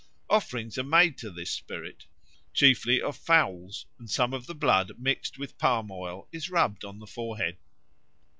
Offerings are made to this spirit, chiefly of fowls, and some of the blood mixed with palmoil is rubbed on the forehead.